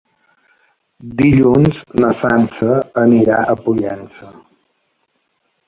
Dilluns na Sança anirà a Pollença.